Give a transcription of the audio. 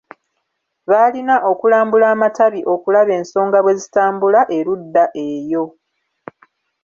Baalina kulambula amatabi okulaba ensonga bwe zitambula erudda eyo.